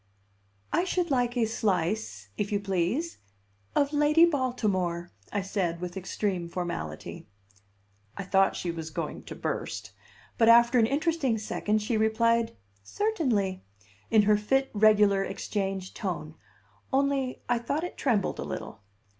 "I should like a slice, if you please, of Lady Baltimore," I said with extreme formality. I thought she was going to burst; but after an interesting second she replied, "Certainly," in her fit Regular Exchange tone; only, I thought it trembled a little.